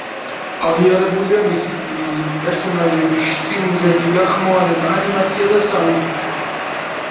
აღიარებულია მისი სტილი, პერსონაჟები, სიუჟეტი, გახმოვანება, ანიმაცია და საუნდტრეკი.